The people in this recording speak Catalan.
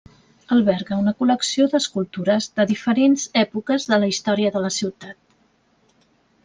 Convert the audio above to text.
Alberga una col·lecció d'escultures de diferents èpoques de la història de la ciutat.